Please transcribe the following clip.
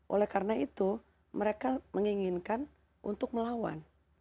oleh karena itu mereka menginginkan untuk melawan